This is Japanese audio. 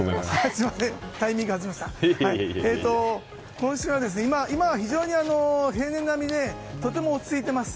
今週は、今は非常に平年並みでとても落ち着いています。